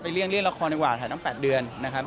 เลี่ยงละครดีกว่าถ่ายตั้ง๘เดือนนะครับ